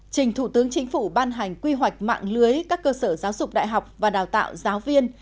trình thủ tướng chính phủ ban hành quy hoạch mạng lưới các cơ sở giáo dục đại học và đào tạo giáo viên